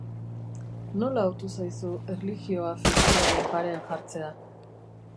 Nola otu zaizu erlijioa fikzioaren parean jartzea?